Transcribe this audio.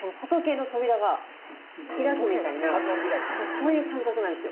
そういう感覚なんですよ。